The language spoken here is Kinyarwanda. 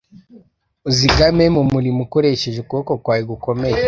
uzigame mu muriro ukoresheje ukuboko kwawe gukomeye